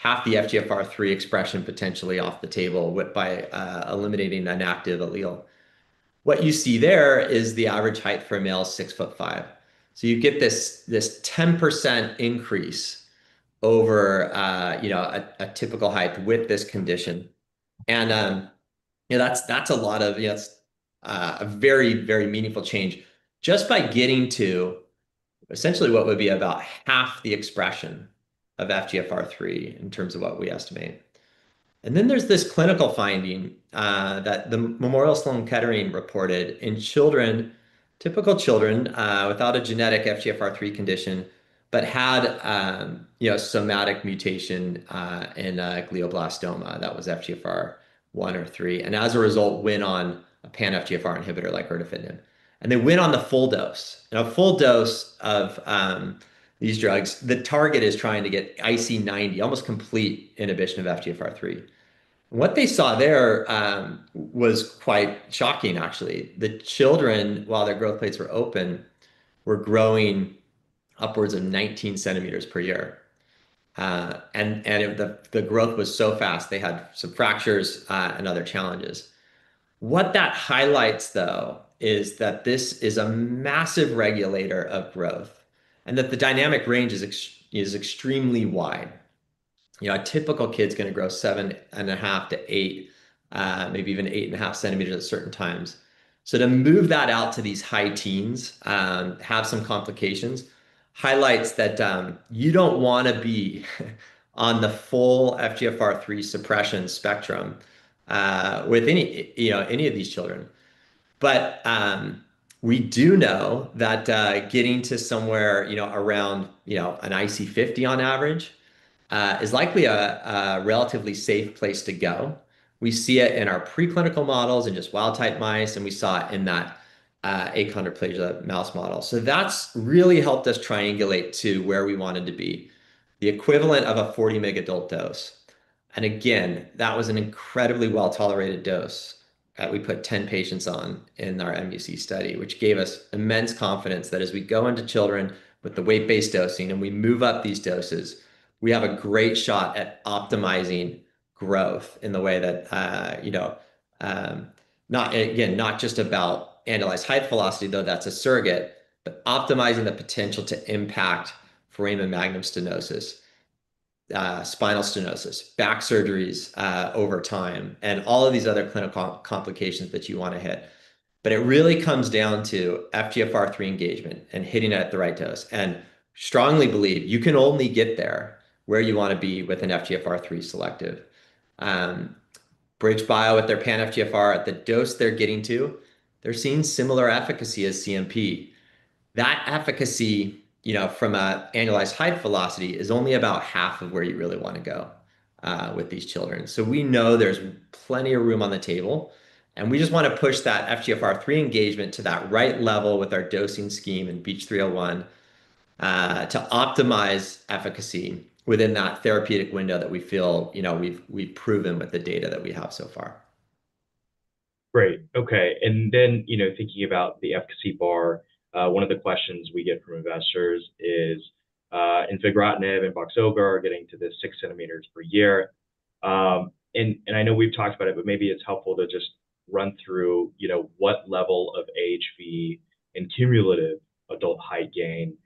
FGFR3 expression potentially off the table by eliminating that active allele. What you see there is the average height for a male is 6 ft 5 in. You get this 10% increase over a typical height with this condition. That's a lot of a very, very meaningful change just by getting to essentially what would be about half the expression of FGFR3 in terms of what we estimate. There's this clinical finding that the Memorial Sloan Kettering reported in typical children without a genetic FGFR3 condition but had somatic mutation in glioblastoma that was FGFR1 or FGFR3, and as a result, went on a pan-FGFR inhibitor like erdafitinib. They went on the full dose. A full dose of these drugs, the target is trying to get IC90, almost complete inhibition of FGFR3. What they saw there was quite shocking, actually. The children, while their growth plates were open, were growing upwards of 19 cm per year. The growth was so fast, they had some fractures and other challenges. What that highlights, though, is that this is a massive regulator of growth and that the dynamic range is extremely wide. A typical kid is going to grow 7.5 cm-8 cm, maybe even 8.5 cm at certain times. To move that out to these high teens, have some complications, highlights that you don't want to be on the full FGFR3 suppression spectrum with any of these children. We do know that getting to somewhere around an IC50 on average is likely a relatively safe place to go. We see it in our preclinical models and just wild-type mice. We saw it in that achondroplasia mouse model. That's really helped us triangulate to where we wanted to be, the equivalent of a 40 mg adult dose. That was an incredibly well-tolerated dose that we put 10 patients on in our MUC study, which gave us immense confidence that as we go into children with the weight-based dosing and we move up these doses, we have a great shot at optimizing growth in the way that, again, not just about annualized height velocity, though that's a surrogate, but optimizing the potential to impact foramen magnum stenosis, spinal stenosis, back surgeries over time, and all of these other clinical complications that you want to hit. It really comes down to FGFR3 engagement and hitting it at the right dose. Strongly believe you can only get there where you want to be with an FGFR3 selective. BridgeBio with their pan-FGFR at the dose they're getting to, they're seeing similar efficacy as CMP. That efficacy from an annualized height velocity is only about half of where you really want to go with these children. We know there's plenty of room on the table. We just want to push that FGFR3 engagement to that right level with our dosing scheme in BH301 to optimize efficacy within that therapeutic window that we feel we've proven with the data that we have so far. Great. OK. Thinking about the efficacy bar, one of the questions we get from investors is infigratinib and Voxzogo are getting to the 6 cm per year. I know we've talked about it, but maybe it's helpful to just run through what level of AHV and cumulative adult height gain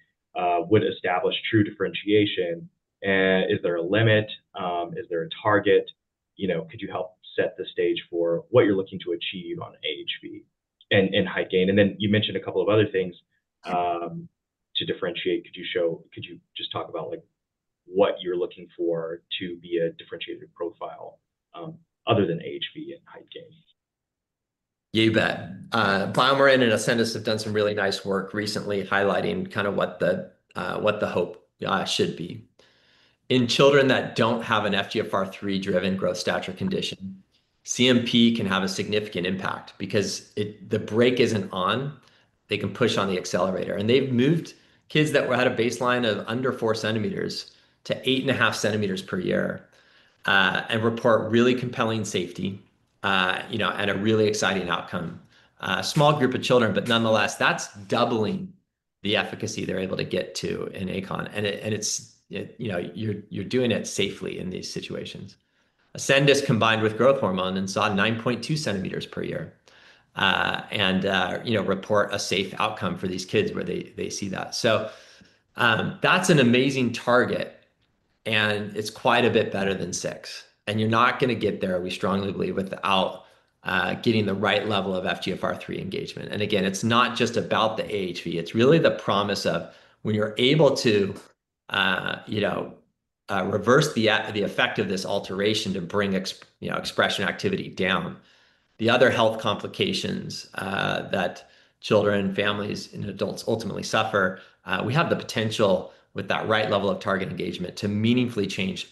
would establish true differentiation. Is there a limit? Is there a target? Could you help set the stage for what you're looking to achieve on AHV and height gain? You mentioned a couple of other things to differentiate. Could you just talk about what you're looking for to be a differentiated profile other than AHV and height gain? Yeah, you bet. BioMarin and Ascendis have done some really nice work recently highlighting kind of what the hope should be. In children that don't have an FGFR3-driven growth stature condition, CMP can have a significant impact because the break isn't on. They can push on the accelerator. They've moved kids that were at a baseline of under 4 cm to 8.5 cm per year and report really compelling safety and a really exciting outcome. A small group of children, but nonetheless, that's doubling the efficacy they're able to get to in achondroplasia. You're doing it safely in these situations. Ascendis, combined with growth hormone, saw 9.2 cm per year and report a safe outcome for these kids where they see that. That's an amazing target. It's quite a bit better than 6 cm. You're not going to get there, we strongly believe, without getting the right level of FGFR3 engagement. Again, it's not just about the AHV. It's really the promise of when you're able to reverse the effect of this alteration to bring expression activity down. The other health complications that children, families, and adults ultimately suffer, we have the potential with that right level of target engagement to meaningfully change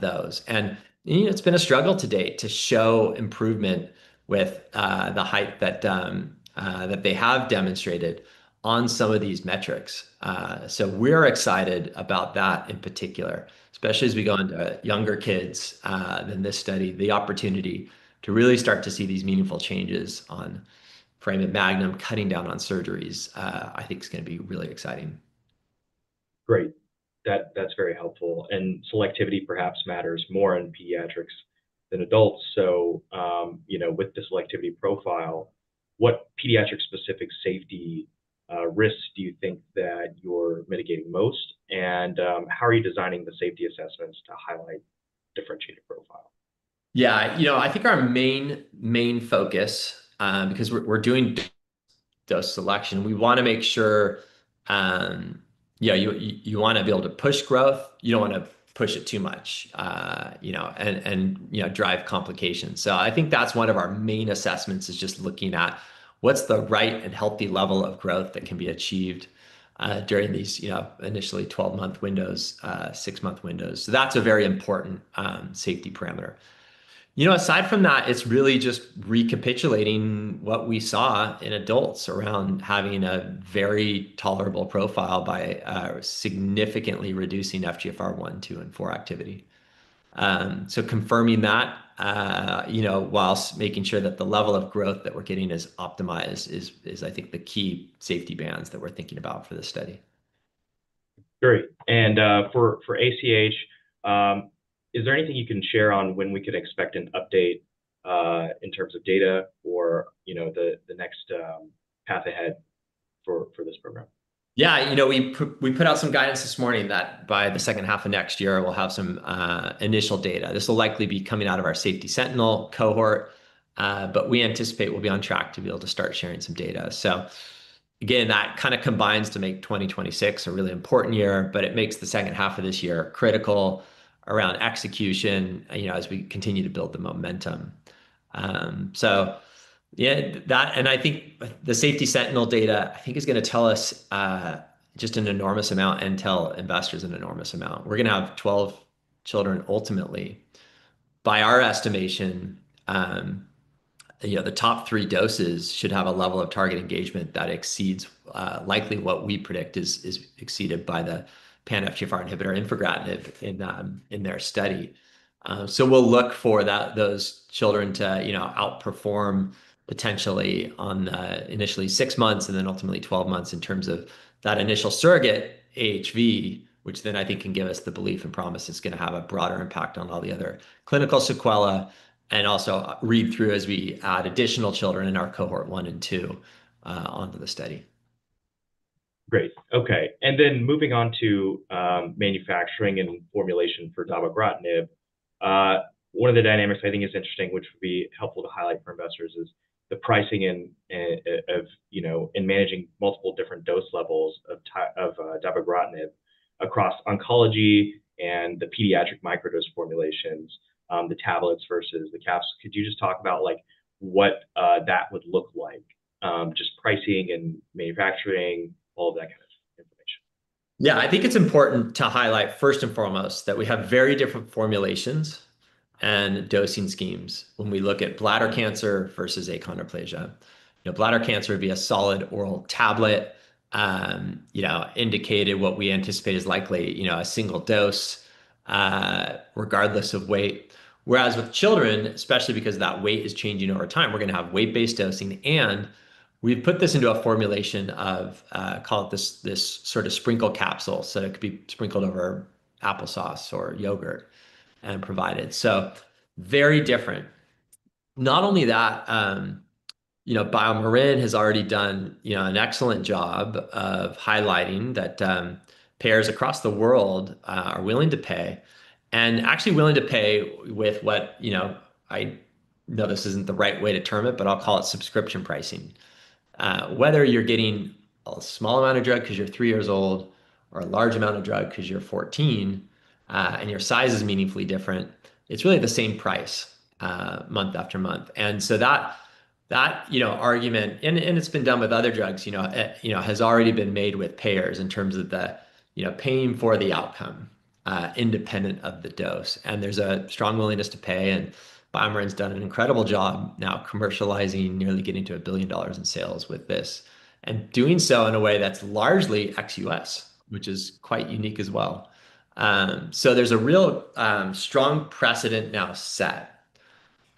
those. It's been a struggle to date to show improvement with the height that they have demonstrated on some of these metrics. We're excited about that in particular, especially as we go into younger kids than this study, the opportunity to really start to see these meaningful changes on foramen magnum, cutting down on surgeries. I think it's going to be really exciting. Great. That's very helpful. Selectivity perhaps matters more in pediatrics than adults. With the selectivity profile, what pediatric-specific safety risks do you think that you're mitigating most? How are you designing the safety assessments to highlight differentiated? Yeah, I think our main focus, because we're doing dose selection, we want to make sure you want to be able to push growth. You don't want to push it too much and drive complications. I think that's one of our main assessments, just looking at what's the right and healthy level of growth that can be achieved during these initially 12-month windows, six-month windows. That's a very important safety parameter. Aside from that, it's really just recapitulating what we saw in adults around having a very tolerable profile by significantly reducing FGFR1, FGFR2, and FGFR4 activity. Confirming that while making sure that the level of growth that we're getting is optimized is, I think, the key safety bands that we're thinking about for this study. Great. For ACH, is there anything you can share on when we could expect an update in terms of data or the next path ahead for this program? Yeah, we put out some guidance this morning that by the second half of next year, we'll have some initial data. This will likely be coming out of our sentinel safety cohort. We anticipate we'll be on track to be able to start sharing some data. That kind of combines to make 2026 a really important year. It makes the second half of this year critical around execution as we continue to build the momentum. I think the sentinel safety data is going to tell us just an enormous amount and tell investors an enormous amount. We're going to have 12 children ultimately. By our estimation, the top three doses should have a level of target engagement that exceeds likely what we predict is exceeded by the pan-FGFR inhibitor infigratinib in their study. We will look for those children to outperform potentially on initially six months and then ultimately 12 months in terms of that initial surrogate AHV, which then I think can give us the belief and promise it's going to have a broader impact on all the other clinical sequelae and also read through as we add additional children in our cohort one and two onto the study. Great. OK. Moving on to manufacturing and formulation for dabogratinib, one of the dynamics I think is interesting, which would be helpful to highlight for investors, is the pricing and managing multiple different dose levels of dabogratinib across oncology and the pediatric microdose formulations, the tablets versus the caps. Could you just talk about what that would look like, just pricing and manufacturing, all of that kind of information? Yeah, I think it's important to highlight first and foremost that we have very different formulations and dosing schemes when we look at bladder cancer versus achondroplasia. Bladder cancer would be a solid oral tablet indicated, what we anticipate is likely a single dose regardless of weight. Whereas with children, especially because that weight is changing over time, we're going to have weight-based dosing. We've put this into a formulation of, call it this sort of sprinkle capsule, so it could be sprinkled over applesauce or yogurt and provided. Very different. Not only that, BioMarin has already done an excellent job of highlighting that payers across the world are willing to pay and actually willing to pay with what I know this isn't the right way to term it, but I'll call it subscription pricing. Whether you're getting a small amount of drug because you're three years old or a large amount of drug because you're 14 and your size is meaningfully different, it's really the same price month after month. That argument, and it's been done with other drugs, has already been made with payers in terms of paying for the outcome independent of the dose. There's a strong willingness to pay. BioMarin's done an incredible job now commercializing, nearly getting to $1 billion in sales with this, and doing so in a way that's largely ex-U.S., which is quite unique as well. There's a real strong precedent now set.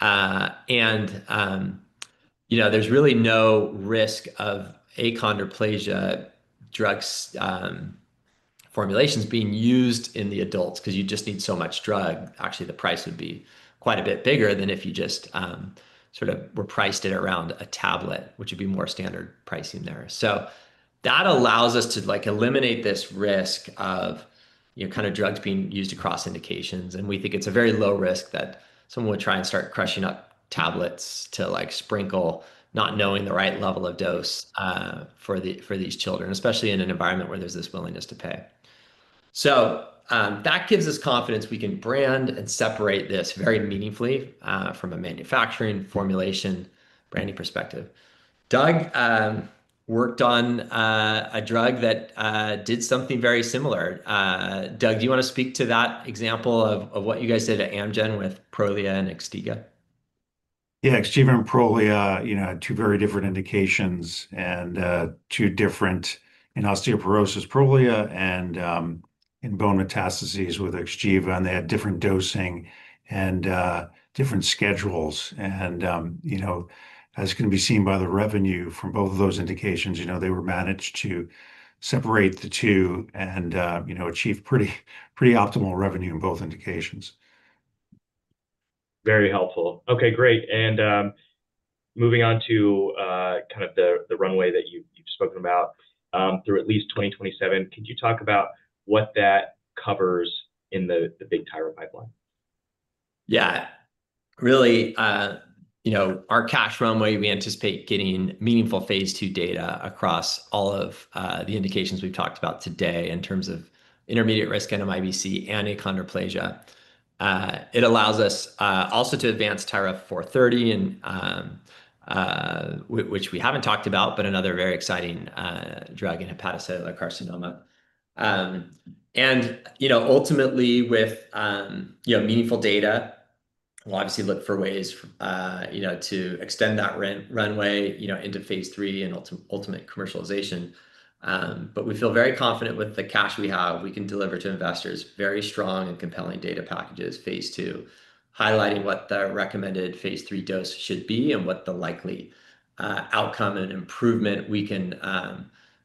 There's really no risk of achondroplasia drug formulations being used in the adults because you just need so much drug. Actually, the price would be quite a bit bigger than if you just sort of repriced it around a tablet, which would be more standard pricing there. That allows us to eliminate this risk of kind of drugs being used across indications. We think it's a very low risk that someone would try and start crushing up tablets to sprinkle, not knowing the right level of dose for these children, especially in an environment where there's this willingness to pay. That gives us confidence we can brand and separate this very meaningfully from a manufacturing, formulation, branding perspective. Doug worked on a drug that did something very similar. Doug, do you want to speak to that example of what you guys did at Amgen with Prolia and Xgeva? Yeah, Xgeva and Prolia, two very different indications and two different in osteoporosis, Prolia and in bone metastases with Xgeva. They had different dosing and different schedules. As can be seen by the revenue from both of those indications, they managed to separate the two and achieve pretty optimal revenue in both indications. Very helpful. OK, great. Moving on to kind of the runway that you've spoken about through at least 2027, could you talk about what that covers in the big Tyra pipeline? Yeah, really, our cash runway, we anticipate getting meaningful phase II data across all of the indications we've talked about today in terms of intermediate risk NMIBC and achondroplasia. It allows us also to advance TYRA-430, which we haven't talked about, but another very exciting drug in hepatocellular carcinoma. Ultimately, with meaningful data, we'll obviously look for ways to extend that runway into phase III and ultimate commercialization. We feel very confident with the cash we have, we can deliver to investors very strong and compelling data packages phase II, highlighting what the recommended phase III dose should be and what the likely outcome and improvement we can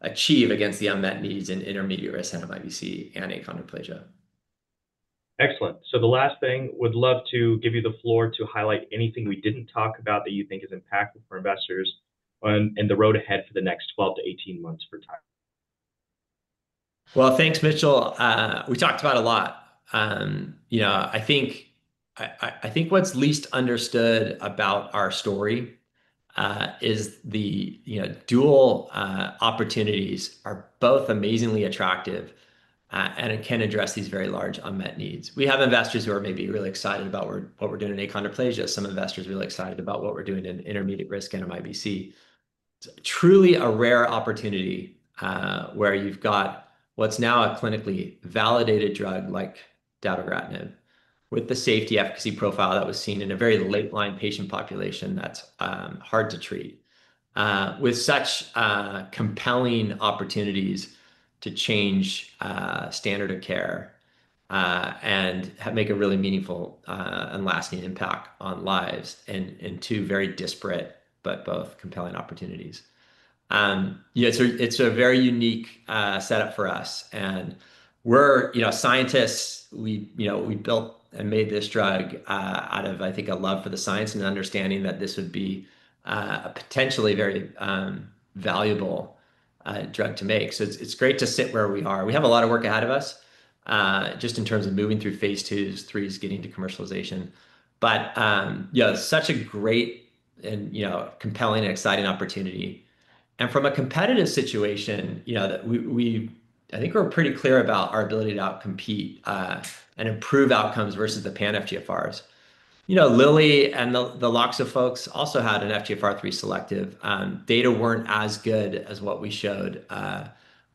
achieve against the unmet needs in intermediate risk NMIBC and achondroplasia. Excellent. The last thing, would love to give you the floor to highlight anything we didn't talk about that you think is impactful for investors and the road ahead for the next 12-18 months for Tyra. Thanks, Mitchell. We talked about a lot. I think what's least understood about our story is the dual opportunities are both amazingly attractive and can address these very large unmet needs. We have investors who are maybe really excited about what we're doing in achondroplasia. Some investors are really excited about what we're doing in intermediate risk NMIBC. Truly a rare opportunity where you've got what's now a clinically validated drug like dabogratinib with the safety efficacy profile that was seen in a very late line patient population that's hard to treat, with such compelling opportunities to change standard of care and make a really meaningful and lasting impact on lives in two very disparate but both compelling opportunities. It's a very unique setup for us. We're scientists. We built and made this drug out of, I think, a love for the science and understanding that this would be a potentially very valuable drug to make. It's great to sit where we are. We have a lot of work ahead of us just in terms of moving through phase IIs, IIIs, getting to commercialization. Yeah, such a great and compelling and exciting opportunity. From a competitive situation, I think we're pretty clear about our ability to outcompete and improve outcomes versus the pan-FGFRs. Lilly and the Loxo folks also had an FGFR3 selective. Data weren't as good as what we showed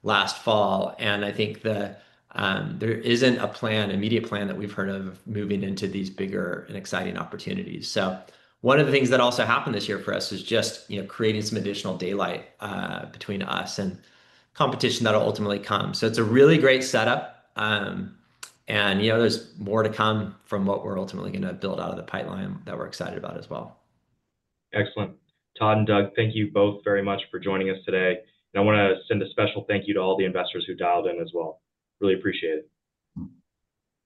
last fall. I think there isn't a plan, immediate plan that we've heard of moving into these bigger and exciting opportunities. One of the things that also happened this year for us is just creating some additional daylight between us and competition that will ultimately come. It's a really great setup. There's more to come from what we're ultimately going to build out of the pipeline that we're excited about as well. Excellent. Todd and Doug, thank you both very much for joining us today. I want to send a special thank you to all the investors who dialed in as well. Really appreciate it.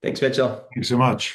Thanks, Mitchell. Thank you so much.